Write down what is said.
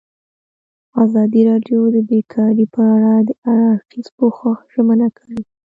ازادي راډیو د بیکاري په اړه د هر اړخیز پوښښ ژمنه کړې.